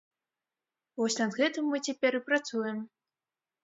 Вось над гэтым мы цяпер і працуем.